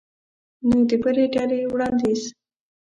نو د بلې ډلې وړاندیز